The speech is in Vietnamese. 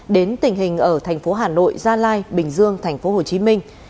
đến tình hình ở thành phố hà nội gia lai bình dương thành phố hồ chí minh